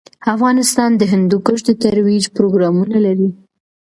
افغانستان د هندوکش د ترویج پروګرامونه لري.